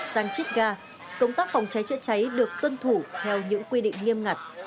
tăng chích ga công tác phòng cháy cháy được tuân thủ theo những quy định nghiêm ngặt